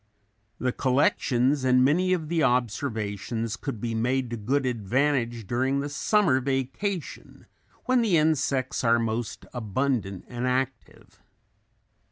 The collections and many of the observations could be made to good advantage during the summer vacation when the insects are most abundant and active.